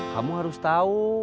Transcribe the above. kamu harus tahu